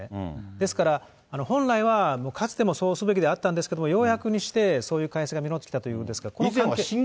ですから、本来はかつてもそうすべきであったんですけれども、ようやくにしてそういう改正ができたということなんです。